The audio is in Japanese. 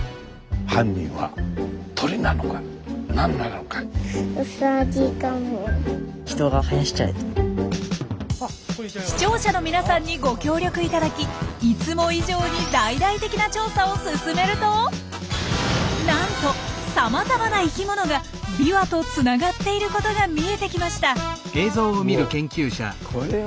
犯人は視聴者の皆さんにご協力いただきいつも以上に大々的な調査を進めるとなんとさまざまな生きものがビワとつながっていることが見えてきました。